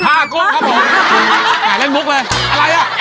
๕กุ้งครับผมแขนเล่นบุ๊คเลยอะไรอ่ะ